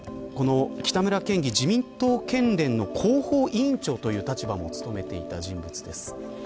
北村県議、自民党県連の広報委員長という立場を務めていた人物です。